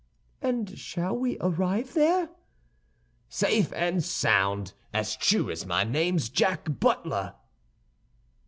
"And shall we arrive there?" "Safe and sound, as true as my name's Jack Butler."